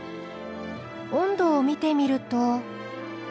温度を見てみると。